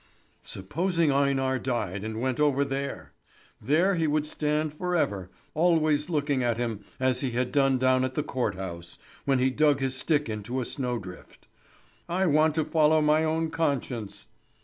Supposing Einar died and went over there. There he would stand for ever, always looking at him as he had done down at the court house, when he dug his stick into a snow drift. "I want to follow my own conscience."